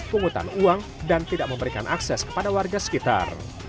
pungutan uang dan tidak memberikan akses kepada warga sekitar